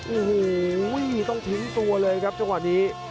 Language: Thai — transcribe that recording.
โอ้โหต้องทิ้งตัวเลยครับจังหวะนี้